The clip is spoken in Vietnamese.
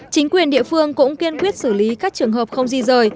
chính quyền địa phương cũng kiên quyết xử lý các trường hợp không di rời